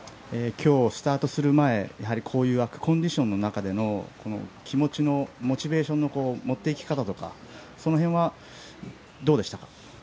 今日、スタートする前こういう悪コンディションの中で気持ちの、モチベーションの持っていき方とかその辺はどうでしたか？